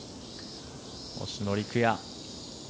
星野陸也。